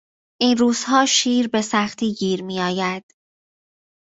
این روزها شیر به سختی گیر میآید.